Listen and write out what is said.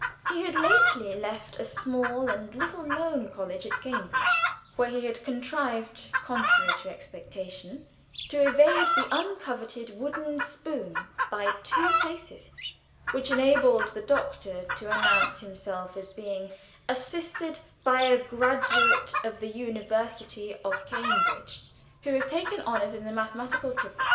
He had lately left a small and little known college at Cambridge, where he had contrived, contrary to expectation, to evade the uncoveted wooden spoon by just two places, which enabled the Doctor to announce himself as being "assisted by a graduate of the University of Cambridge who has taken honours in the Mathematical Tripos."